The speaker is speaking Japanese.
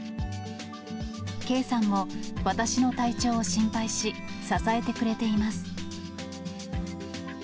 圭さんも私の体調を心配し、支えてくれています。